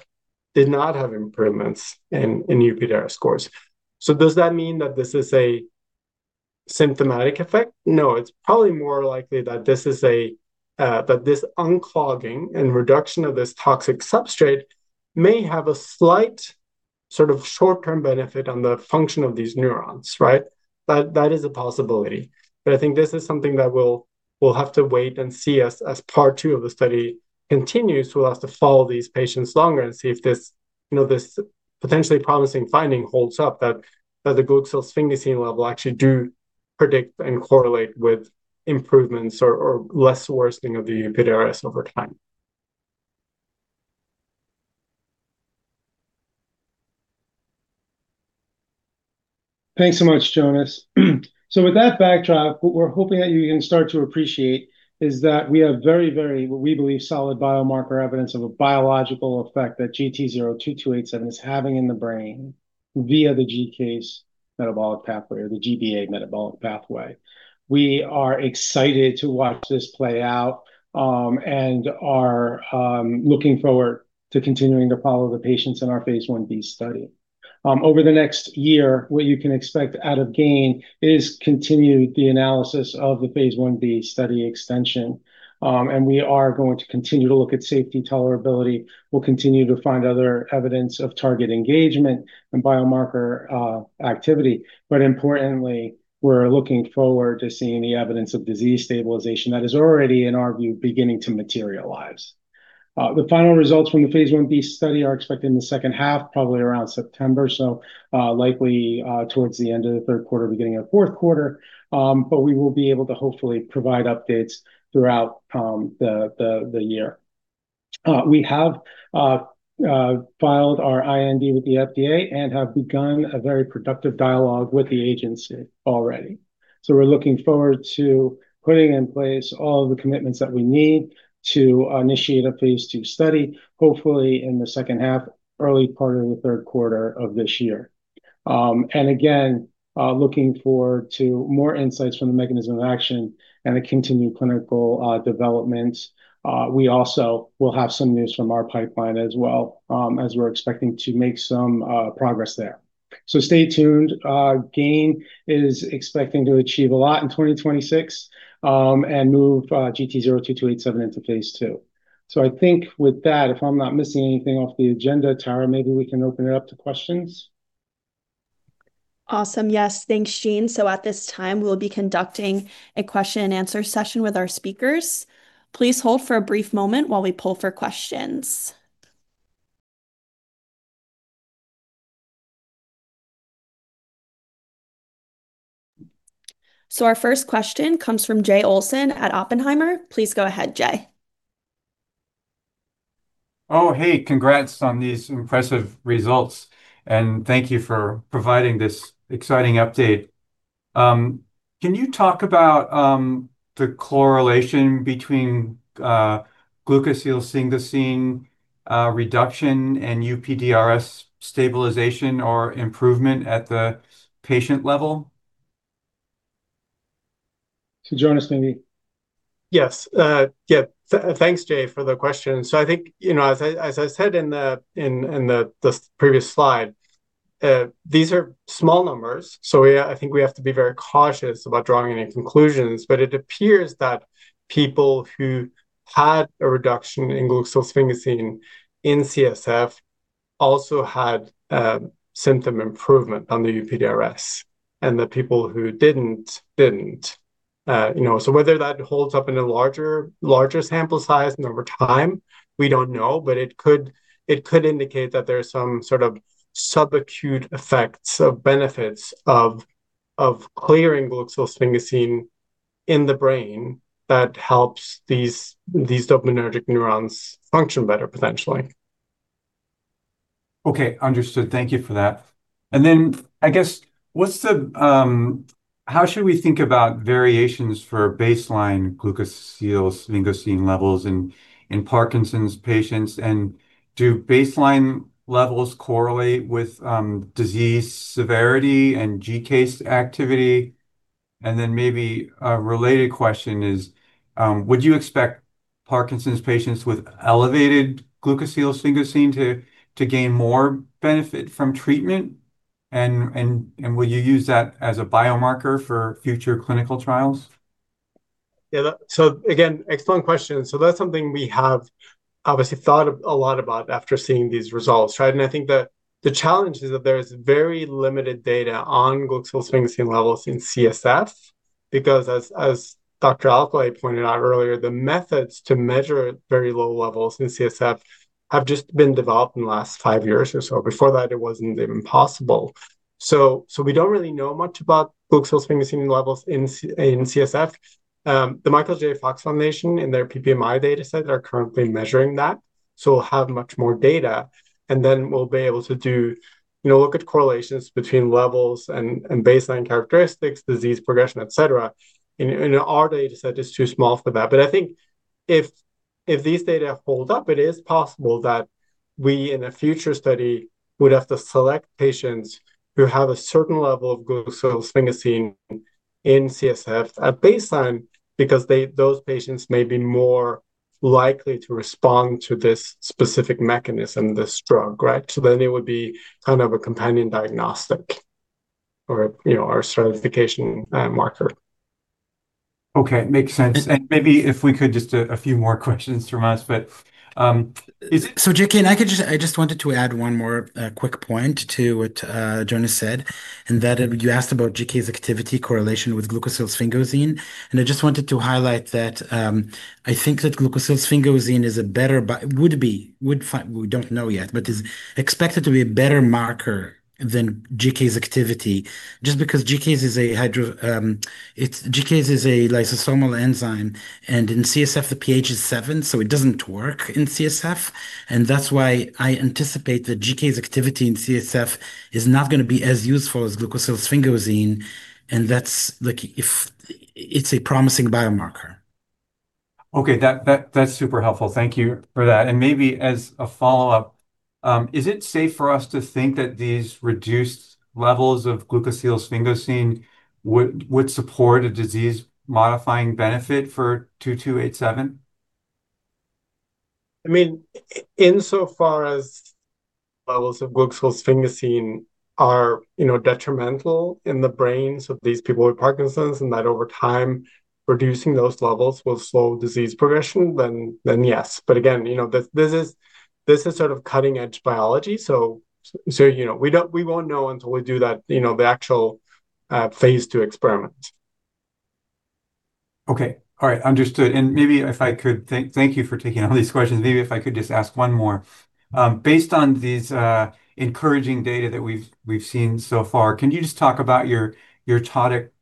did not have improvements in UPDRS scores. So does that mean that this is a symptomatic effect? No, it's probably more likely that this is that this unclogging and reduction of this toxic substrate may have a slight sort of short-term benefit on the function of these neurons, right? That is a possibility. But I think this is something that we'll have to wait and see as part two of the study continues, we'll have to follow these patients longer and see if this potentially promising finding holds up that the glucosylsphingosine level actually do predict and correlate with improvements or less worsening of the UPDRS over time. Thanks so much, Jonas. So with that backdrop, what we're hoping that you can start to appreciate is that we have very, very, what we believe, solid biomarker evidence of a biological effect that GT02287 is having in the brain via the GCase metabolic pathway or the GBA metabolic pathway. We are excited to watch this play out and are looking forward to continuing to follow the patients in our phase 1b study. Over the next year, what you can expect out of GAIN is continued analysis of the phase 1b study extension. And we are going to continue to look at safety tolerability. We'll continue to find other evidence of target engagement and biomarker activity. But importantly, we're looking forward to seeing the evidence of disease stabilization that is already, in our view, beginning to materialize. The final results from the phase 1b study are expected in the second half, probably around September, so likely towards the end of the third quarter, beginning of the fourth quarter, but we will be able to hopefully provide updates throughout the year. We have filed our IND with the FDA and have begun a very productive dialogue with the agency already, so we're looking forward to putting in place all of the commitments that we need to initiate a phase II study, hopefully in the second half, early part of the third quarter of this year, and again, looking forward to more insights from the mechanism of action and the continued clinical development. We also will have some news from our pipeline as well as we're expecting to make some progress there, so stay tuned. Gain is expecting to achieve a lot in 2026 and move GT02287 into phase II. So I think with that, if I'm not missing anything off the agenda, Tara, maybe we can open it up to questions. Awesome. Yes, thanks, Gene. So at this time, we'll be conducting a question-and-answer session with our speakers. Please hold for a brief moment while we pull for questions. So our first question comes from Jay Olson at Oppenheimer. Please go ahead, Jay. Oh, hey, congrats on these impressive results. And thank you for providing this exciting update. Can you talk about the correlation between glucosylsphingosine reduction and UPDRS stabilization or improvement at the patient level? To Jonas, maybe. Yes. Yeah. Thanks, Jay, for the question. So I think, as I said in the previous slide, these are small numbers. So I think we have to be very cautious about drawing any conclusions. But it appears that people who had a reduction in glucosylsphingosine in CSF also had symptom improvement on the UPDRS, and the people who didn't, didn't. So whether that holds up in a larger sample size and over time, we don't know, but it could indicate that there are some sort of subacute effects of benefits of clearing glucosylsphingosine in the brain that helps these dopaminergic neurons function better, potentially. Okay. Understood. Thank you for that. And then I guess, how should we think about variations for baseline glucosylsphingosine levels in Parkinson's patients? And do baseline levels correlate with disease severity and GCase activity? And then maybe a related question is, would you expect Parkinson's patients with elevated glucosylsphingosine to gain more benefit from treatment? And would you use that as a biomarker for future clinical trials? Yeah. So again, excellent question. So that's something we have obviously thought a lot about after seeing these results, right? And I think the challenge is that there is very limited data on glucosylsphingosine levels in CSF because, as Dr. Alcalay pointed out earlier, the methods to measure very low levels in CSF have just been developed in the last five years or so. Before that, it wasn't even possible. So we don't really know much about glucosylsphingosine levels in CSF. The Michael J. Fox Foundation and their PPMI dataset are currently measuring that. So we'll have much more data. And then we'll be able to look at correlations between levels and baseline characteristics, disease progression, etc. And our dataset is too small for that. But I think if these data hold up, it is possible that we, in a future study, would have to select patients who have a certain level of glucosylsphingosine in CSF at baseline because those patients may be more likely to respond to this specific mechanism, this drug, right? So then it would be kind of a companion diagnostic or a stratification marker. Okay. Makes sense. And maybe if we could just a few more questions from us. But so Jay, I just wanted to add one more quick point to what Jonas said, and that you asked about GCase's activity correlation with glucosylsphingosine. And I just wanted to highlight that I think that glucosylsphingosine is a better, but would be, we don't know yet, but is expected to be a better marker than GCase's activity just because GCase's is a lysosomal enzyme. In CSF, the pH is 7, so it doesn't work in CSF. That's why I anticipate that GCase's activity in CSF is not going to be as useful as glucosylsphingosine. That's like if it's a promising biomarker. Okay. That's super helpful. Thank you for that. Maybe as a follow-up, is it safe for us to think that these reduced levels of glucosylsphingosine would support a disease-modifying benefit for 2287? I mean, insofar as levels of glucosylsphingosine are detrimental in the brains of these people with Parkinson's and that over time, reducing those levels will slow disease progression, then yes. But again, this is sort of cutting-edge biology. We won't know until we do the actual phase II experiment. Okay. All right. Understood. Maybe if I could thank you for taking all these questions. Maybe if I could just ask one more. Based on these encouraging data that we've seen so far, can you just talk about your target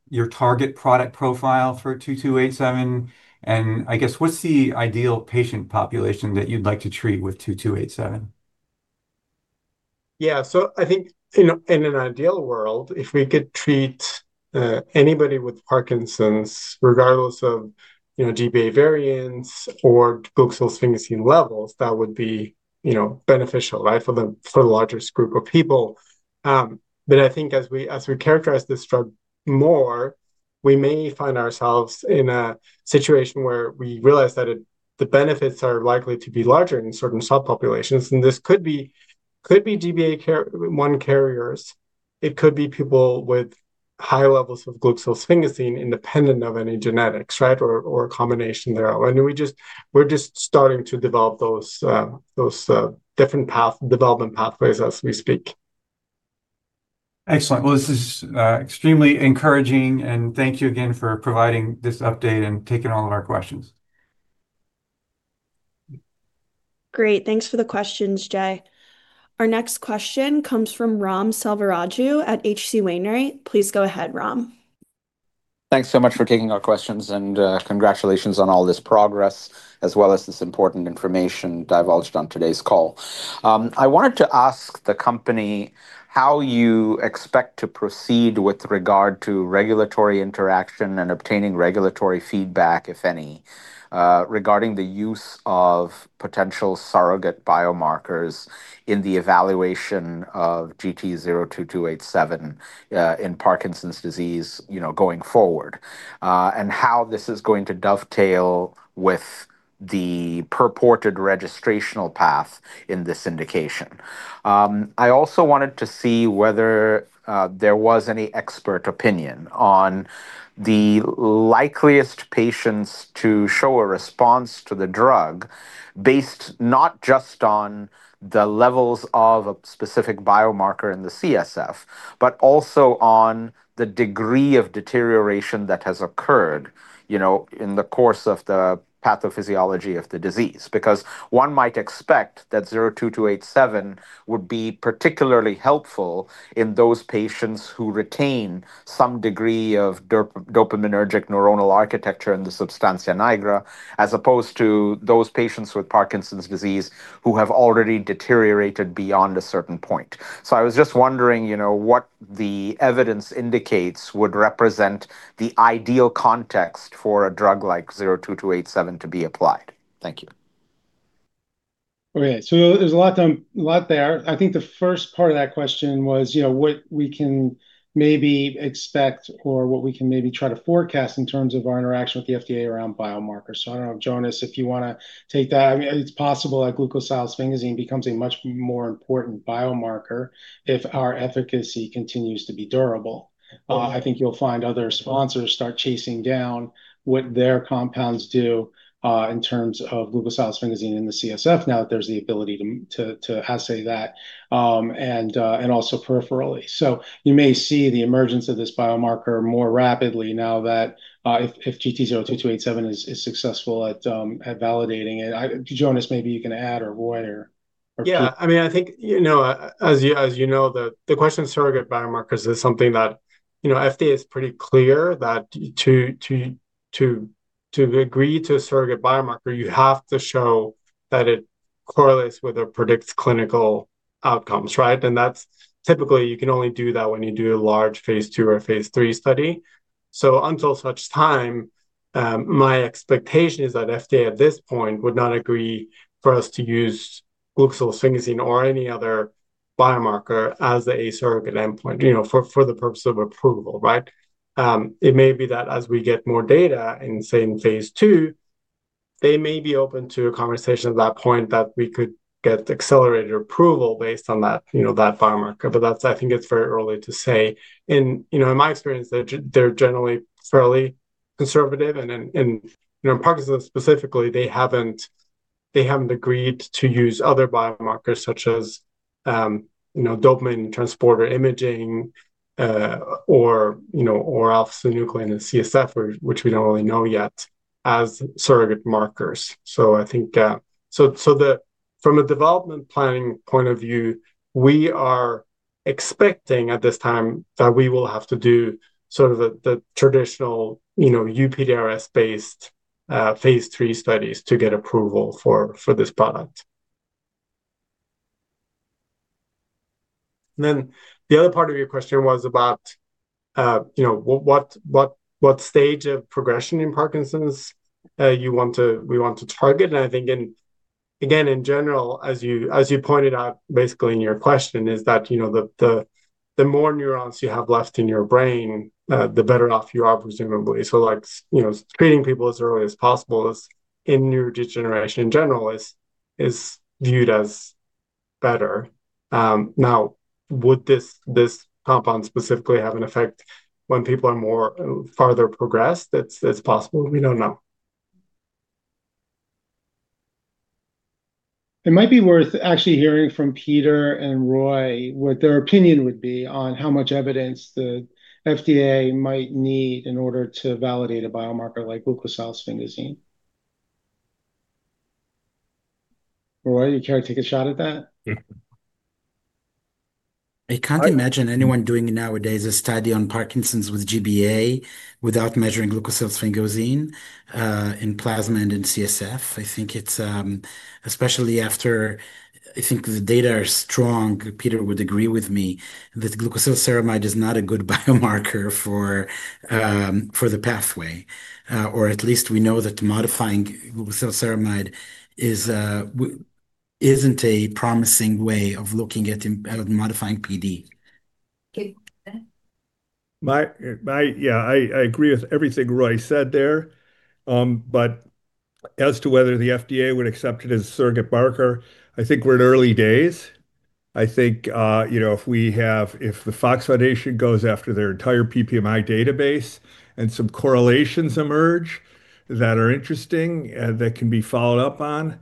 product profile for 2287? And I guess, what's the ideal patient population that you'd like to treat with 2287? Yeah. So I think in an ideal world, if we could treat anybody with Parkinson's, regardless of GBA variants or glucosylsphingosine levels, that would be beneficial for the largest group of people. But I think as we characterize this drug more, we may find ourselves in a situation where we realize that the benefits are likely to be larger in certain subpopulations. And this could be GBA1 carriers. It could be people with high levels of glucosylsphingosine independent of any genetics, right, or a combination there. And we're just starting to develop those different development pathways as we speak. Excellent. Well, this is extremely encouraging. And thank you again for providing this update and taking all of our questions. Great. Thanks for the questions, Jay. Our next question comes from Ram Selvaraju at H.C. Wainwright. Please go ahead, Ram. Thanks so much for taking our questions. And congratulations on all this progress as well as this important information divulged on today's call. I wanted to ask the company how you expect to proceed with regard to regulatory interaction and obtaining regulatory feedback, if any, regarding the use of potential surrogate biomarkers in the evaluation of GT-02287 in Parkinson's disease going forward and how this is going to dovetail with the purported registrational path in this indication. I also wanted to see whether there was any expert opinion on the likeliest patients to show a response to the drug based not just on the levels of a specific biomarker in the CSF, but also on the degree of deterioration that has occurred in the course of the pathophysiology of the disease. Because one might expect that 02287 would be particularly helpful in those patients who retain some degree of dopaminergic neuronal architecture in the Substantia nigra, as opposed to those patients with Parkinson's disease who have already deteriorated beyond a certain point. So I was just wondering what the evidence indicates would represent the ideal context for a drug like 02287 to be applied. Thank you. Okay. So there's a lot there. I think the first part of that question was what we can maybe expect or what we can maybe try to forecast in terms of our interaction with the FDA around biomarkers. So I don't know, Jonas, if you want to take that. I mean, it's possible that glucosylsphingosine becomes a much more important biomarker if our efficacy continues to be durable. I think you'll find other sponsors start chasing down what their compounds do in terms of glucosylsphingosine in the CSF now that there's the ability to assay that and also peripherally. So you may see the emergence of this biomarker more rapidly now that if GT-02287 is successful at validating it. Jonas, maybe you can add or avoid or. Yeah. I mean, I think, as you know, the question of surrogate biomarkers is something that FDA is pretty clear that to agree to a surrogate biomarker, you have to show that it correlates with or predicts clinical outcomes, right? And typically, you can only do that when you do a large phase II or phase III study. So until such time, my expectation is that FDA at this point would not agree for us to use glucosylsphingosine or any other biomarker as the a surrogate endpoint for the purpose of approval, right? It may be that as we get more data in, say, in phase II, they may be open to a conversation at that point that we could get accelerated approval based on that biomarker. But I think it's very early to say. In my experience, they're generally fairly conservative. In Parkinson's specifically, they haven't agreed to use other biomarkers such as dopamine transporter imaging or alpha-synuclein in CSF, which we don't really know yet, as surrogate markers. So I think from a development planning point of view, we are expecting at this time that we will have to do sort of the traditional UPDRS-based phase III studies to get approval for this product. And then the other part of your question was about what stage of progression in Parkinson's we want to target. And I think, again, in general, as you pointed out basically in your question, is that the more neurons you have left in your brain, the better off you are, presumably. So treating people as early as possible in neurodegeneration in general is viewed as better. Now, would this compound specifically have an effect when people are farther progressed? It's possible. We don't know. It might be worth actually hearing from Peter and Roy what their opinion would be on how much evidence the FDA might need in order to validate a biomarker like glucosylsphingosine. Roy, you care to take a shot at that? I can't imagine anyone doing nowadays a study on Parkinson's with GBA without measuring glucosylsphingosine in plasma and in CSF. I think it's especially after the data are strong. Peter would agree with me that glucosylceramide is not a good biomarker for the pathway. Or at least we know that modifying glucosylceramide isn't a promising way of looking at modifying PD. Yeah. I agree with everything Roy said there. But as to whether the FDA would accept it as a surrogate marker, I think we're in early days. I think if the Fox Foundation goes after their entire PPMI database and some correlations emerge that are interesting and that can be followed up on,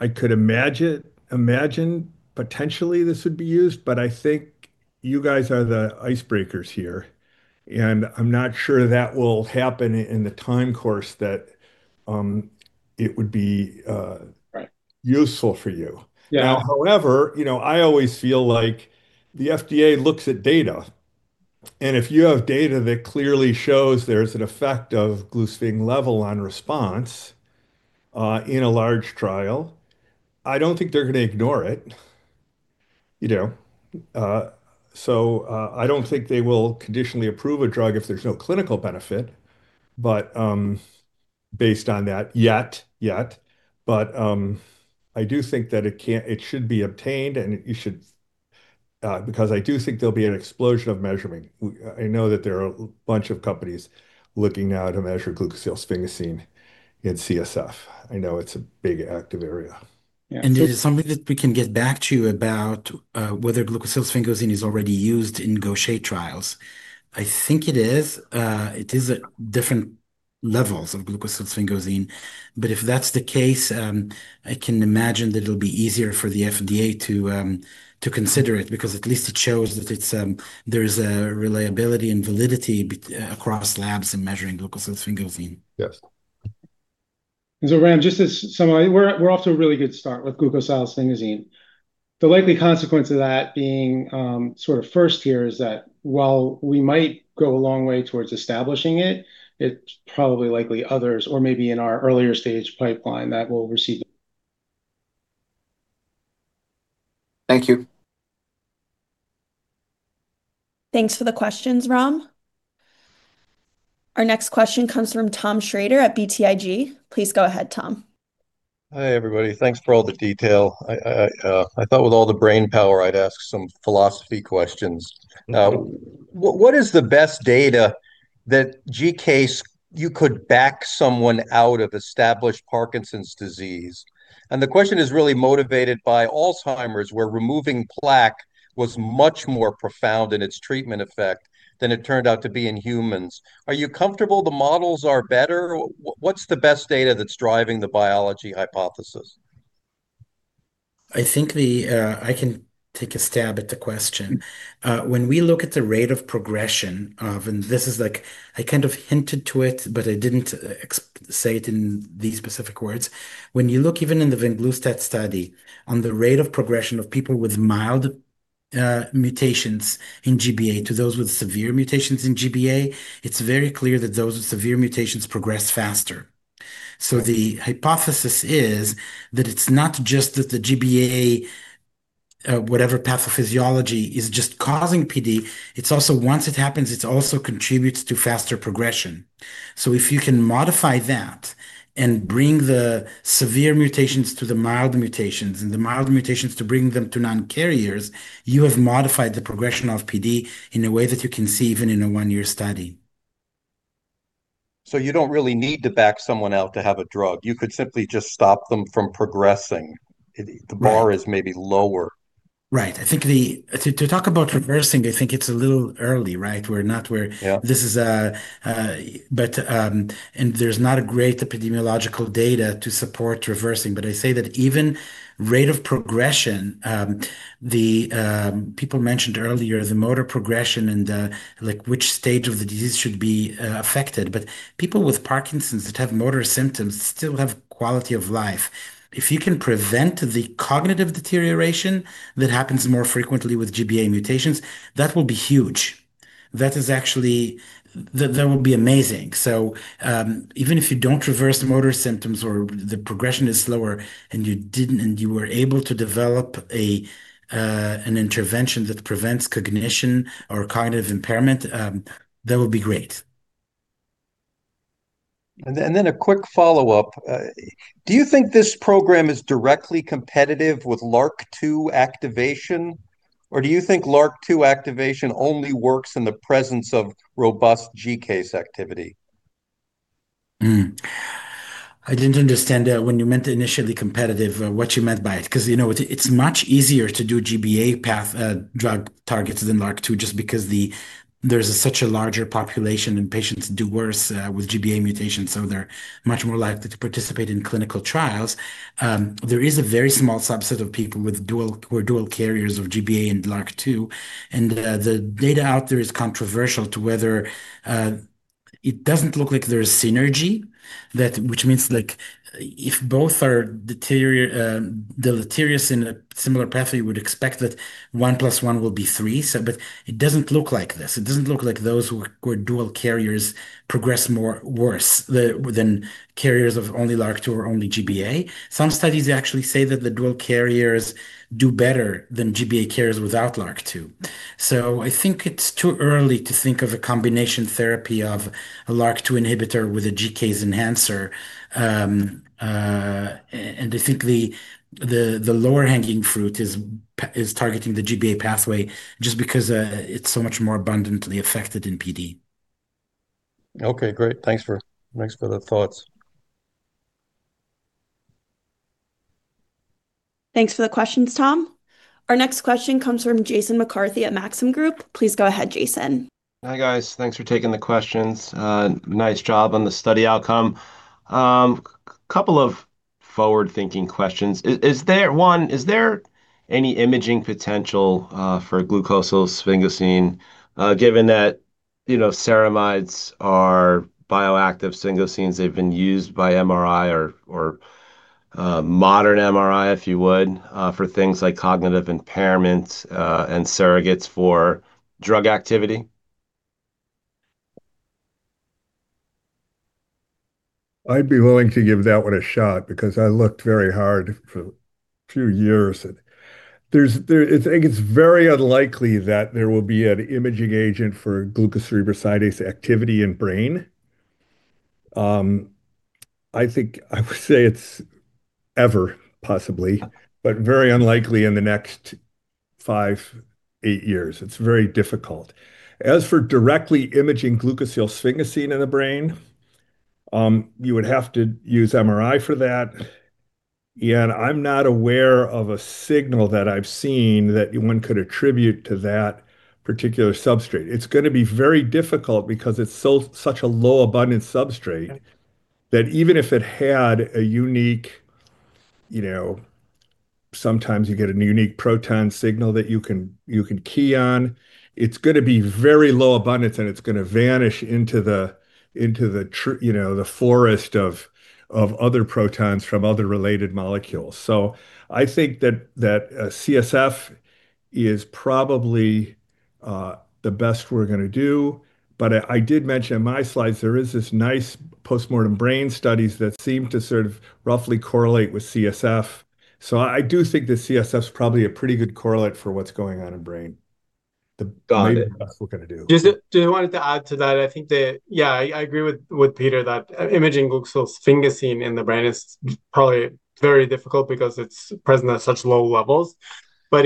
I could imagine potentially this would be used. But I think you guys are the icebreakers here. I'm not sure that will happen in the time course that it would be useful for you. Now, however, I always feel like the FDA looks at data. If you have data that clearly shows there's an effect of glucosylsphingosine level on response in a large trial, I don't think they're going to ignore it. So I don't think they will conditionally approve a drug if there's no clinical benefit based on that yet. But I do think that it should be obtained and you should because I do think there'll be an explosion of measuring. I know that there are a bunch of companies looking now to measure glucosylsphingosine in CSF. I know it's a big active area. And it's something that we can get back to you about whether glucosylsphingosine is already used in Gaucher trials. I think it is. It is at different levels of glucosylsphingosine, but if that's the case, I can imagine that it'll be easier for the FDA to consider it because at least it shows that there is a reliability and validity across labs in measuring glucosylsphingosine. Yes, and so, Ram, just to summarize, we're off to a really good start with glucosylsphingosine. The likely consequence of that being sort of first here is that while we might go a long way towards establishing it, it's probably likely others or maybe in our earlier stage pipeline that will receive. Thank you. Thanks for the questions, Ram. Our next question comes from Tom Shrader at BTIG. Please go ahead, Tom. Hi, everybody. Thanks for all the detail. I thought with all the brainpower, I'd ask some philosophy questions. What is the best data that GK you could back someone out of established Parkinson's disease? And the question is really motivated by Alzheimer's, where removing plaque was much more profound in its treatment effect than it turned out to be in humans. Are you comfortable the models are better? What's the best data that's driving the biology hypothesis? I think I can take a stab at the question. When we look at the rate of progression of, and this is like I kind of hinted to it, but I didn't say it in these specific words. When you look even in the Venglustat study on the rate of progression of people with mild mutations in GBA to those with severe mutations in GBA, it's very clear that those with severe mutations progress faster. So the hypothesis is that it's not just that the GBA, whatever pathophysiology is just causing PD, it's also once it happens, it also contributes to faster progression. So if you can modify that and bring the severe mutations to the mild mutations and the mild mutations to bring them to non-carriers, you have modified the progression of PD in a way that you can see even in a one-year study. So you don't really need to back someone out to have a drug. You could simply just stop them from progressing. The bar is maybe lower. Right. I think to talk about reversing, I think it's a little early, right? We're not where this is a, but there's not a great epidemiological data to support reversing. But I say that even rate of progression, the people mentioned earlier, the motor progression and which stage of the disease should be affected. People with Parkinson's that have motor symptoms still have quality of life. If you can prevent the cognitive deterioration that happens more frequently with GBA mutations, that will be huge. That is actually that will be amazing. Even if you don't reverse the motor symptoms or the progression is slower and you were able to develop an intervention that prevents cognition or cognitive impairment, that would be great. Then a quick follow-up. Do you think this program is directly competitive with LRRK2 activation? Or do you think LRRK2 activation only works in the presence of robust GCase activity? I didn't understand what you meant when you said initially competitive. Because it's much easier to do GBA drug targets than LRRK2 just because there's such a larger population and patients do worse with GBA mutations. So they're much more likely to participate in clinical trials. There is a very small subset of people who are dual carriers of GBA and LRRK2. And the data out there is controversial to whether it doesn't look like there is synergy, which means if both are deleterious in a similar path, you would expect that one plus one will be three. But it doesn't look like this. It doesn't look like those who are dual carriers progress worse than carriers of only LRRK2 or only GBA. Some studies actually say that the dual carriers do better than GBA carriers without LRRK2. So I think it's too early to think of a combination therapy of a LRRK2 inhibitor with a GCase enhancer. And I think the low-hanging fruit is targeting the GBA pathway just because it's so much more abundantly affected in PD. Okay. Great. Thanks for the thoughts. Thanks for the questions, Tom. Our next question comes from Jason McCarthy at Maxim Group. Please go ahead, Jason. Hi, guys. Thanks for taking the questions. Nice job on the study outcome. A couple of forward-thinking questions. One, is there any imaging potential for glucosylsphingosine given that ceramides are bioactive sphingosines? They've been used by MRI or modern MRI, if you would, for things like cognitive impairment and surrogates for drug activity? I'd be willing to give that one a shot because I looked very hard for a few years. I think it's very unlikely that there will be an imaging agent for glucocerebrosidase activity in brain. I think I would say it's ever possible, but very unlikely in the next five, eight years. It's very difficult. As for directly imaging glucosylsphingosine in the brain, you would have to use MRI for that, and I'm not aware of a signal that I've seen that one could attribute to that particular substrate. It's going to be very difficult because it's such a low-abundant substrate that even if it had a unique sometimes you get a unique proton signal that you can key on, it's going to be very low abundance, and it's going to vanish into the forest of other protons from other related molecules, so I think that CSF is probably the best we're going to do. But I did mention in my slides, there is this nice postmortem brain studies that seem to sort of roughly correlate with CSF. So I do think that CSF is probably a pretty good correlate for what's going on in brain. The best we're going to do. Did you want to add to that? I think that, yeah, I agree with Peter that imaging glucosylsphingosine in the brain is probably very difficult because it's present at such low levels. But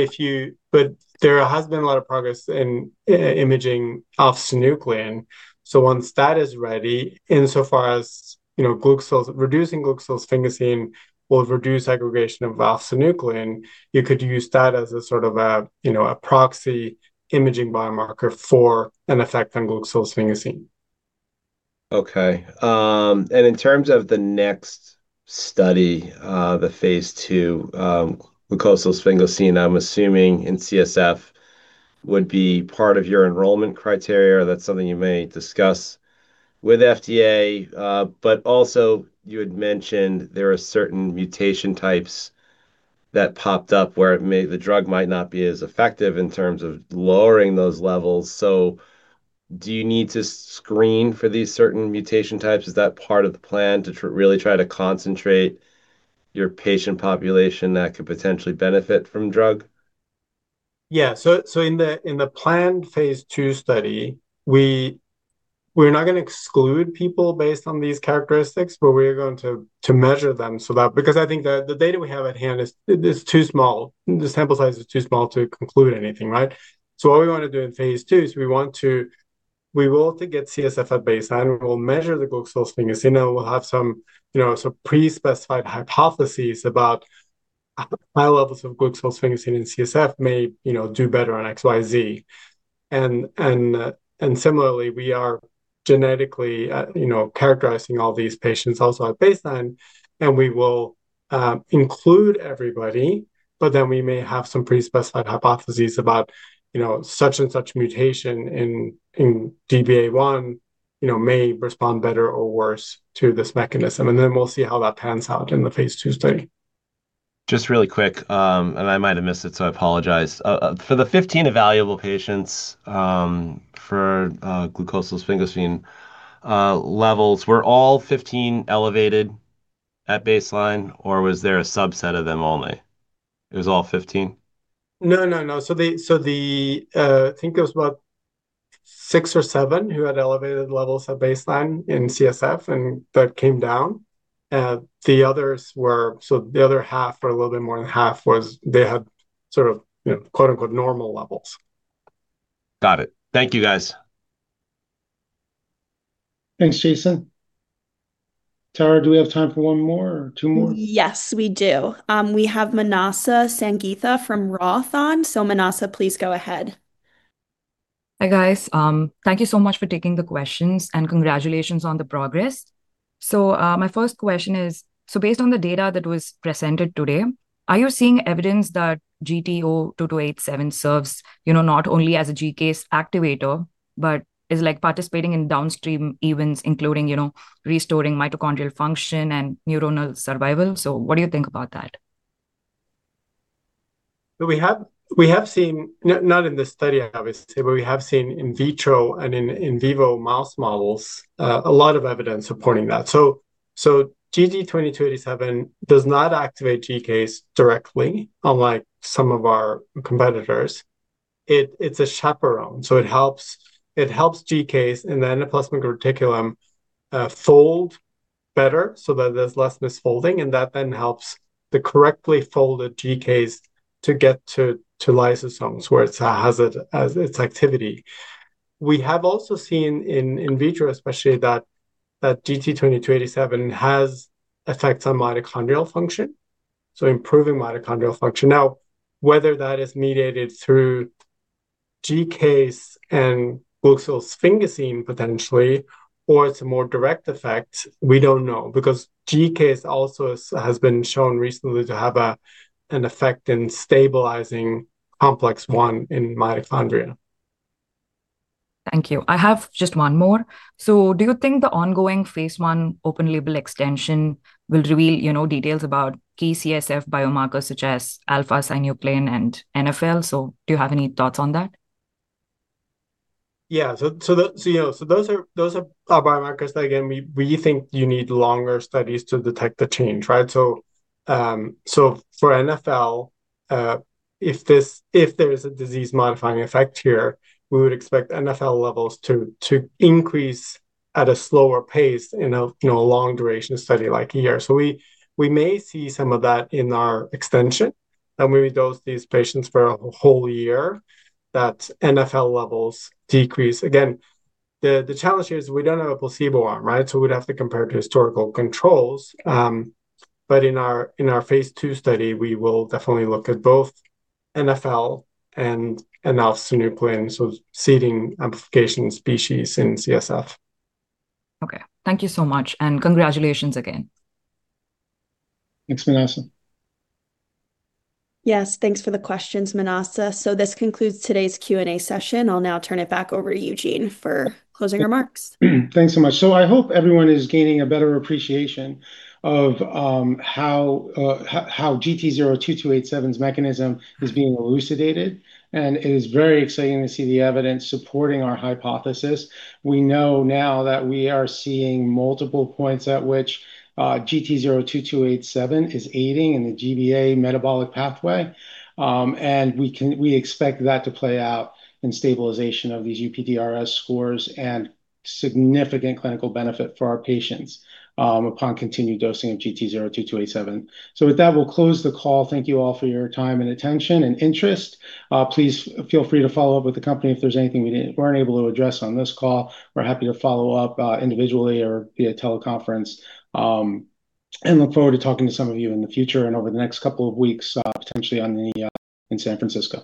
there has been a lot of progress in imaging alpha-synuclein. So once that is ready, insofar as reducing glucosylsphingosine will reduce aggregation of alpha-synuclein, you could use that as a sort of a proxy imaging biomarker for an effect on glucosylsphingosine. Okay. And in terms of the next study, the phase II glucosylsphingosine, I'm assuming in CSF would be part of your enrollment criteria. That's something you may discuss with FDA. But also, you had mentioned there are certain mutation types that popped up where the drug might not be as effective in terms of lowering those levels. So do you need to screen for these certain mutation types? Is that part of the plan to really try to concentrate your patient population that could potentially benefit from drug? Yeah. So in the planned phase II study, we're not going to exclude people based on these characteristics, but we're going to measure them so that because I think the data we have at hand is too small. The sample size is too small to conclude anything, right? So what we want to do in phase II is we will get CSF at baseline. We'll measure the glucosylsphingosine, and we'll have some pre-specified hypotheses about high levels of glucosylsphingosine in CSF may do better on XYZ. Similarly, we are genetically characterizing all these patients also at baseline. We will include everybody, but then we may have some pre-specified hypotheses about such and such mutation in GBA1 may respond better or worse to this mechanism. Then we'll see how that pans out in the phase II study. Just really quick, and I might have missed it, so I apologize. For the 15 evaluable patients for glucosylsphingosine levels, were all 15 elevated at baseline, or was there a subset of them only? It was all 15? No, no, no. So I think there was about six or seven who had elevated levels at baseline in CSF, and that came down. The others were so the other half or a little bit more than half, they had sort of "normal" levels. Got it. Thank you, guys. Thanks, Jason. Tara, do we have time for one more or two more? Yes, we do. We have Manasa Sangeetha from Roth MKM. So Manasa, please go ahead. Hi, guys. Thank you so much for taking the questions, and congratulations on the progress. So my first question is, so based on the data that was presented today, are you seeing evidence that GT-02287 serves not only as a GCase activator, but is participating in downstream events, including restoring mitochondrial function and neuronal survival? So what do you think about that? So we have seen, not in this study, obviously, but we have seen in vitro and in vivo mouse models a lot of evidence supporting that. GT02287 does not activate GCase directly, unlike some of our competitors. It's a chaperone. It helps GCase and the endoplasmic reticulum fold better so that there's less misfolding. And that then helps the correctly folded GCase to get to lysosomes where it has its activity. We have also seen in vitro, especially, that GT02287 has effects on mitochondrial function, so improving mitochondrial function. Now, whether that is mediated through GCase and glucosylsphingosine potentially, or it's a more direct effect, we don't know because GCase also has been shown recently to have an effect in stabilizing complex I in mitochondria. Thank you. I have just one more. Do you think the ongoing phase 1 open-label extension will reveal details about key CSF biomarkers such as alpha-synuclein and NfL? Do you have any thoughts on that? Yeah. So those are biomarkers that, again, we think you need longer studies to detect the change, right? So for NfL, if there is a disease-modifying effect here, we would expect NfL levels to increase at a slower pace in a long-duration study like a year. So we may see some of that in our extension. And when we dose these patients for a whole year, that NfL levels decrease. Again, the challenge here is we don't have a placebo arm, right? So we'd have to compare to historical controls. But in our phase II study, we will definitely look at both NfL and alpha-synuclein, so seeding amplification species in CSF. Okay. Thank you so much. And congratulations again. Thanks, Manasa. Yes. Thanks for the questions, Manasa. So this concludes today's Q&A session. I'll now turn it back over to Eugene for closing remarks. Thanks so much. So I hope everyone is gaining a better appreciation of how GT-02287's mechanism is being elucidated. And it is very exciting to see the evidence supporting our hypothesis. We know now that we are seeing multiple points at which GT-02287 is aiding in the GBA metabolic pathway. And we expect that to play out in stabilization of these UPDRS scores and significant clinical benefit for our patients upon continued dosing of GT-02287. So with that, we'll close the call. Thank you all for your time and attention and interest. Please feel free to follow up with the company if there's anything we weren't able to address on this call. We're happy to follow up individually or via teleconference. And look forward to talking to some of you in the future and over the next couple of weeks, potentially on the. In San Francisco.